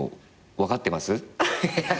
分かってます？